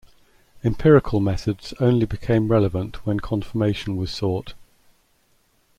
Empirical methods only became relevant when confirmation was sought.